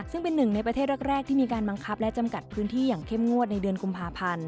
ซึ่งเป็นหนึ่งในประเทศแรกที่มีการบังคับและจำกัดพื้นที่อย่างเข้มงวดในเดือนกุมภาพันธ์